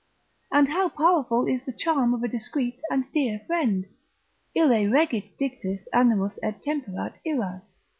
And how powerful is the charm of a discreet and dear friend? Ille regit dictis animos et temperat iras.